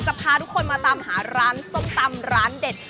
พาทุกคนมาตามหาร้านส้มตำร้านเด็ด